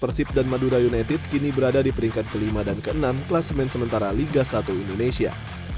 persib dan madura united kini berada di peringkat kelima dan ke enam kelas men sementara liga satu indonesia